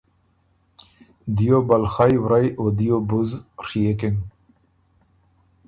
(دیو بلخئ ورئ او دیو بُز) ڒيېکِن۔